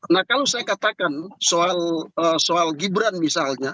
nah kalau saya katakan soal gibran misalnya